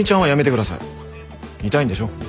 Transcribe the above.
痛いんでしょ？